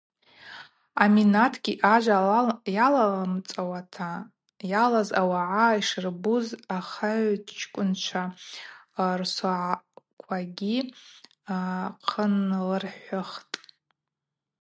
Аминатгьи ажва алалымцӏауата йалаз ауагӏа йшырбуз ахыгӏвчкӏвынчва рсогӏаквагьи хъынлырхӏвыхтӏ.